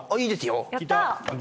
いいですよ。